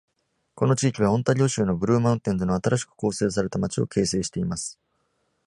この地域は、オンタリオ州のブルーマウンテンズの新しく構成された町を形成しています。